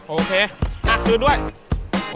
โอเคนักคืนด้วยโอเค